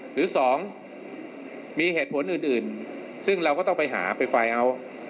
หรือ๒มีเหตุผลอื่นซึ่งเราก็ต้องไปหาไปไฟเอาท์